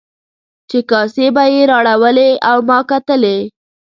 چې کاسې به یې راوړلې ما کتلې.